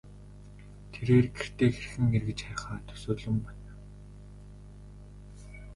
Тэрээр гэртээ хэрхэн эргэж харихаа төсөөлөн бодно.